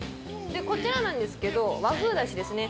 こちらなんですけど和風だしですね。